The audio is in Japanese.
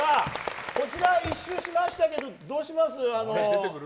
こちらは１周しましたけどどうします？